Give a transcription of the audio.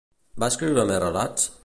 Va escriure més relats?